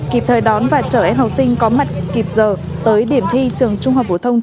kịp thời đón và chở em học sinh có mặt kịp giờ tới điểm thi trường trung học phổ thông